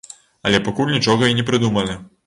Але пакуль нічога і не прыдумалі.